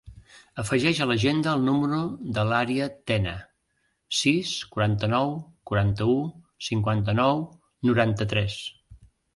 Afegeix a l'agenda el número de l'Arya Tena: sis, quaranta-nou, quaranta-u, cinquanta-nou, noranta-tres.